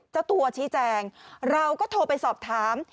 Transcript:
เจ้าตัวชี้แจงเราก็โทรไปสอบถาม